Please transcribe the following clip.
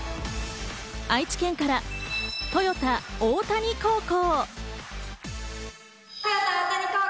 愛知県から豊田大谷高校。